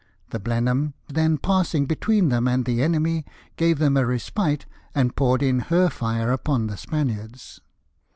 The Blenheim then passing between them and the enemy, gave them a respite, and poured in her fire upon the Spaniards.